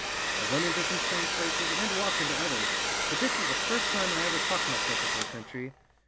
I've run into some strange places and walked into others; but this is the first time I ever talked myself into a country.